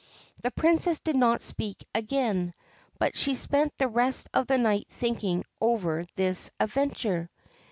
The Princess did not speak again, but she spent the rest of the night thinking over this adventure.